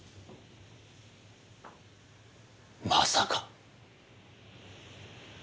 まさか。